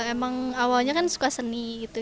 emang awalnya kan suka seni gitu